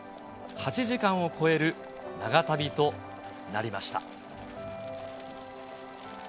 ８時間を超える長旅となりました。